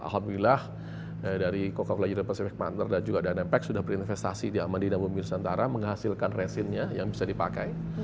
alhamdulillah dari coca cola jura pacific panther dan juga dandampax sudah berinvestasi di amandina bumbi nusantara menghasilkan resinnya yang bisa dipakai